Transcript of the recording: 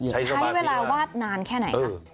ใช้เวลาวาดนานแค่ไหนคะ